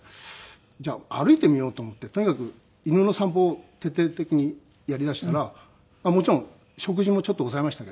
じゃあ歩いてみようと思ってとにかく犬の散歩を徹底的にやりだしたらもちろん食事もちょっと抑えましたけど。